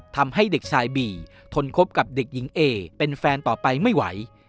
ทำให้เด็กชายบีทนคบกับเด็กหญิงเอเป็นแฟนต่อไปไม่ไหว